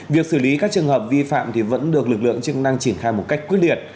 việc xử lý các trường hợp vi phạm vẫn được lực lượng chức năng triển khai một cách quyết liệt